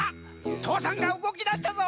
父山がうごきだしたぞ。